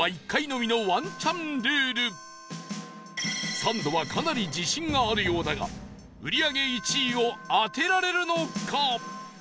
サンドはかなり自信があるようだが売り上げ１位を当てられるのか？